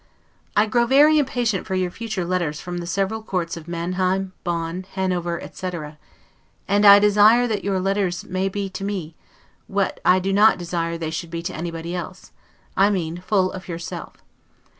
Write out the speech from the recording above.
I grow very impatient for your future letters from the several courts of Manheim, Bonn, Hanover, etc. And I desire that your letters may be to me, what I do not desire they should be to anybody else, I mean full of yourself.